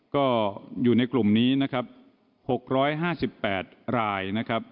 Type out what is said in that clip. ก็อยู่ในกลุ่มนี้นะครับ๖๕๘รายนะครับ